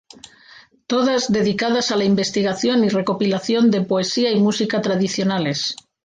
Todas dedicadas a la investigación y recopilación de poesía y música tradicionales.